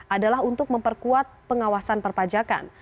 adalah untuk memperkuat pengawasan perpajakan